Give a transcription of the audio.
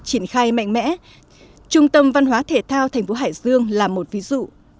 triển khai mạnh mẽ trung tâm văn hóa thể thao tp hải dương là một ví dụ